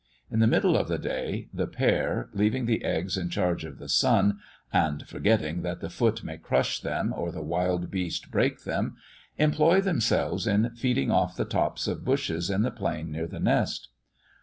In the middle of the day, the pair, leaving the eggs in charge of the sun, and 'forgetting that the foot may crush them, or the wild beast break them,' employ themselves in feeding off the tops of bushes in the plain near the nest.